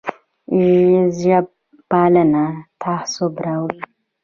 ژب پالنه تعصب راوړي